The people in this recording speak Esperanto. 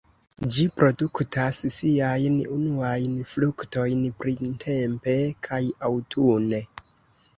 Ĝi produktas siajn unuajn fruktojn printempe kaj aŭtune.